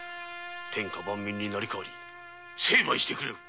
天下万民に代わり成敗してくれる！